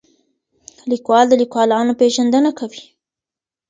لیکوال د لیکوالانو پېژندنه کوي.